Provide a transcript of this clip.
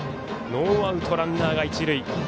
ノーアウト、ランナーが一塁。